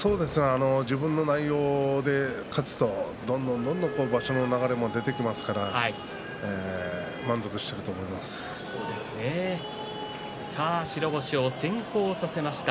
自分の内容で勝つとどんどんどんどん場所の流れも出てきますから白星を先行させました。